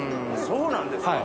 そうなんですか。